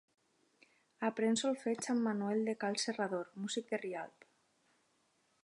Aprèn solfeig amb Manuel de cal Serrador, músic de Rialp.